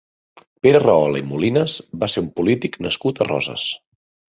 Pere Rahola i Molinas va ser un polític nascut a Roses.